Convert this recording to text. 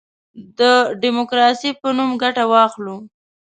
د ډیموکراسی په نوم ګټه واخلو.